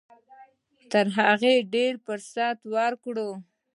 تر هغې ډېر مصرف کړو